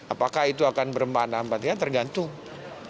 apakah itu akan berempat ampatnya tergantung